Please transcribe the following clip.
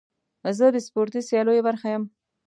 زه د سپورتي سیالیو برخه یم.